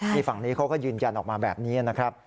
ฝั่งนี้เขาก็ยืนยันออกมาแบบนี้นะครับ